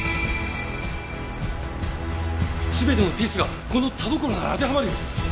全てのピースがこの田所なら当てはまるよ！